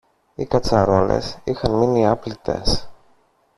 Οι κατσαρόλες είχαν μείνει άπλυτες